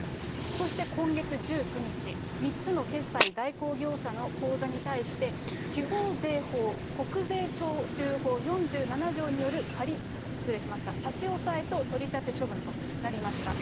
そして今月１９日、３つの決済代行業者の口座に対して、地方税法、国税徴収法４７条による差し押さえと取り立て処分となりました。